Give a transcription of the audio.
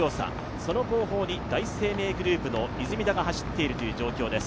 その後方に第一生命グループの出水田が走っている状況です。